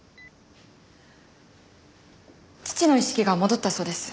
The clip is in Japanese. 父の意識が戻ったそうです。